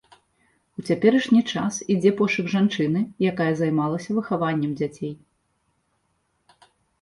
У цяперашні час ідзе пошук жанчыны, якая займалася выхаваннем дзяцей.